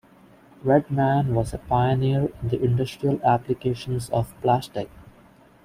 Redman was a pioneer in the industrial applications of plastics.